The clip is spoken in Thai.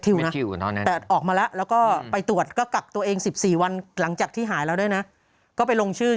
แต่ออกมาแล้วแล้วก็ไปตรวจก็กักตัวเอง๑๔วันหลังจากที่หายแล้วด้วยนะก็ไปลงชื่อ